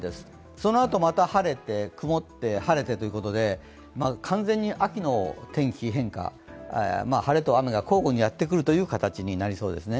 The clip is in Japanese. そのあと、また晴れて、雲って、晴れてということで完全に秋の天気変化、晴れと雨が交互にやってくるという形になりそうですね。